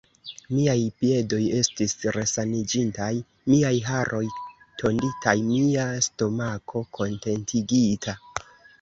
Miaj piedoj estis resaniĝintaj, miaj haroj tonditaj, mia stomako kontentigita.